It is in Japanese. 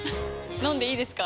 飲んでいいですか？